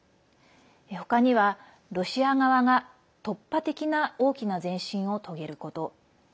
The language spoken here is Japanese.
ほかには、ロシア側が突破的な大きな前進を遂げること。